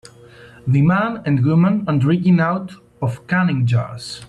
The man and woman are drinking out of canning jars.